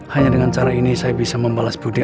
hanya dengan cara ini saya bisa membalas budi